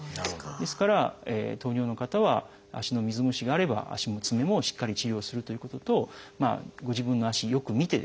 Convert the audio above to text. ですから糖尿の方は足の水虫があれば足も爪もしっかり治療するということとご自分の足よく見てですね